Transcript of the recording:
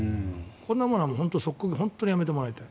こんなものは即刻本当にやめてもらいたい。